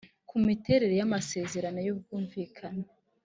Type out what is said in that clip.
ku miterere y amasezerano y ubwumvikane